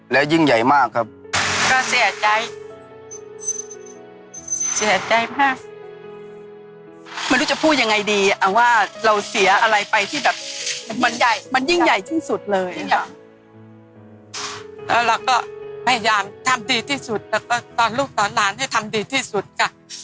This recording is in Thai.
แล้วเราก็พยายามทำดีที่สุดแล้วก็ตอนลูกตอนหลานให้ทำดีที่สุดค่ะ